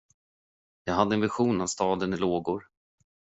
Jag hade en vision av staden i lågor.